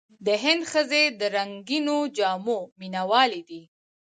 د هند ښځې د رنګینو جامو مینهوالې دي.